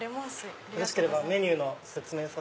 よろしければメニューの説明を。